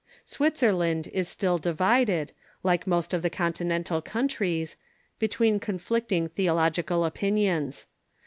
Switzerland is still divided, like most of the Continental countries, between conflicting theological opinions.